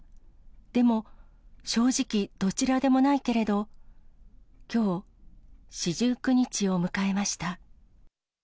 でも、正直どちらでもないけれど、きょう、四十九日を迎えました。